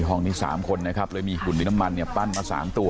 ห้องนี้๓คนนะครับเลยมีหุ่นมีน้ำมันเนี่ยปั้นมา๓ตัว